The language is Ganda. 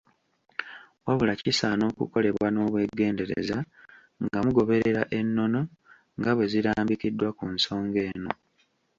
Wabula kisaana okukolebwa n'obwegendereza nga mugoberera ennono nga bwezirambikiddwa ku nsonga eno.